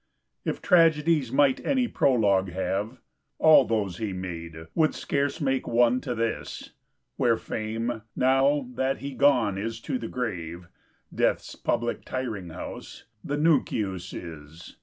If Tragedies might any Prologue have, All those he made, would scarce make one to this: Where Fame, now that he gone is to the grave (DeathŌĆÖs public tiring house), the Nuncius is.